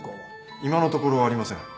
今のところありません。